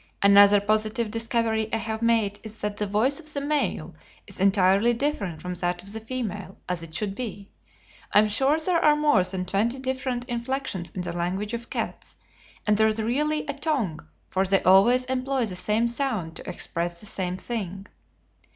Another positive discovery I have made is that the voice of the male is entirely different from that of the female, as it should be. I am sure there are more than twenty different inflections in the language of cats, and there is really a 'tongue' for they always employ the same sound to express the same thing."